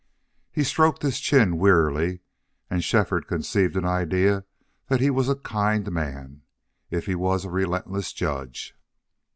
He stroked his chin wearily, and Shefford conceived an idea that he was a kind man, if he was a relentless judge.